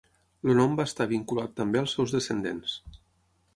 El nom va estar vinculat també als seus descendents.